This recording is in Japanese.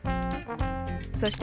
そして、